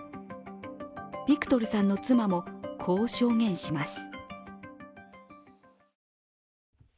ビクトルさんの妻も、こう証言します。